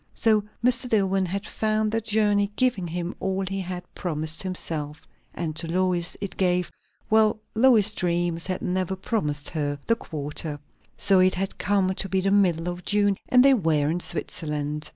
So Mr. Dillwyn had found the journey giving him all he had promised himself; and to Lois it gave well Lois's dreams had never promised her the quarter. So it had come to be the middle of June, and they were in Switzerland.